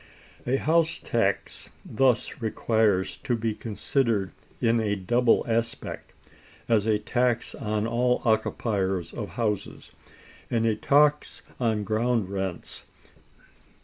(341) A house tax thus requires to be considered in a double aspect, as a tax on all occupiers of houses, and a tax on ground rents.